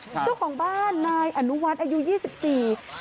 เจ้าของบ้านนายอนุวัฒน์อายุ๒๔บาท